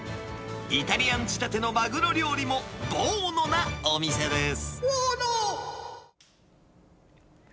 イタリアン仕立てのマグロ料理もボーノなお店です。